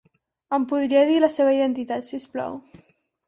Em podria dir la seva identitat, si us plau?